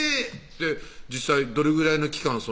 実際どれぐらいの期間